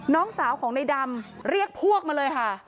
น้องสาวของในดำเรียกพวกมาเลยค่ะ